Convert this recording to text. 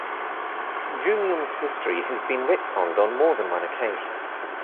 Julian's history has been retconned on more than one occasion.